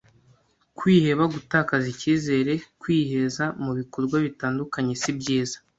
kwiheba gutakaza ikizere kwiheza mu bikorwa bitandukanye sibyiza